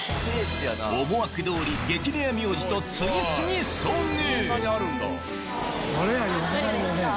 思惑通り激レア名字と次々遭遇！